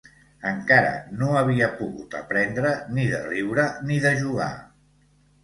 Encare no havia pogut aprendre ni de riure, ni de jugar